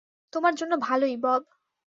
তোমার জন্য ভালোই, বব।